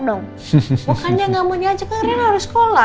makanya nggak mau diajak karena rena harus sekolah